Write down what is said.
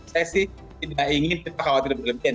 saya sih tidak ingin kita khawatir lebih lebih